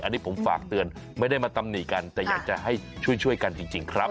อันนี้ผมฝากเตือนไม่ได้มาตำหนิกันแต่อยากจะให้ช่วยกันจริงครับ